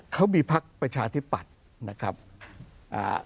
เขามีพักประชาธิปัตย์นะครับอ่า